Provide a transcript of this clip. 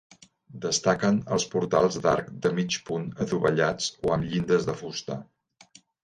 Destaquen els portals d'arc de mig punt adovellats o amb llindes de fusta.